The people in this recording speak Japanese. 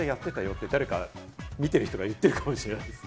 って、誰か見てる人が言ってるかもしれないですね。